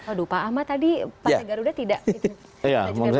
aduh pak ahmad tadi partai garuda tidak